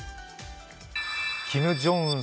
キム・ジョンウン